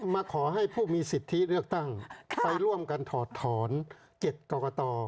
มาขอให้ผู้มีสิทธิเลือกตั้งไปร่วมกันถอดถอน๗กรกต